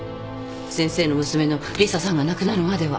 先生の娘のリサさんが亡くなるまでは。